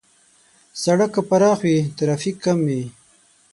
سړک که پراخ وي، ترافیک کم وي.